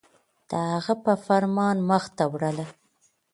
د هغه په فرمان مخ ته وړله